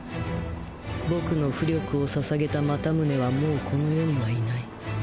僕の巫力をささげたマタムネはもうこの世にはいない。